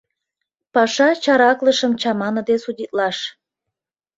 Паша чараклышым чаманыде судитлаш.